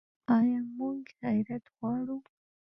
آیا موږ عزت غواړو؟